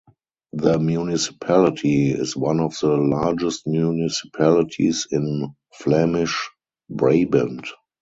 The municipality is one of the largest municipalities in Flemish Brabant.